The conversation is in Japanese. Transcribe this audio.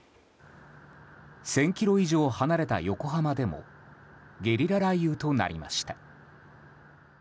１０００ｋｍ以上離れた横浜でもゲリラ雷雨となりました。